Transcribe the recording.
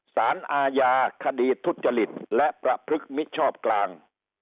สารอาญาคดีทุจริตและประพฤกษมิชชอบกลาง